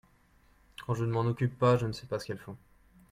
quand je ne m'en occupe pas je ne sais pas ce qu'elles font.